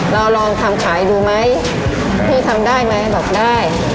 ลองทำขายดูไหมพี่ทำได้ไหมบอกได้